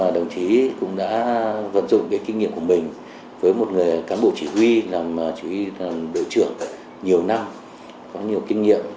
đồng chí cũng đã vận dụng kinh nghiệm của mình với một người cán bộ chỉ huy làm chỉ huy đội trưởng nhiều năm có nhiều kinh nghiệm